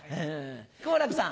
好楽さん。